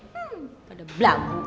hmm pada blabu deh